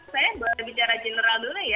saya boleh bicara general dulu ya